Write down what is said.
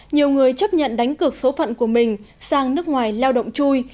nhiều người chấp nhận đánh cực số phận của mình sang nước ngoài lao động chui